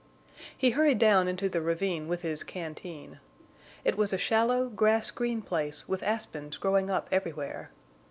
He hurried down into the ravine with his canteen. It was a shallow, grass green place with aspens growing up everywhere.